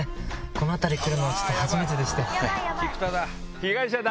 この辺り来るの初めてでして。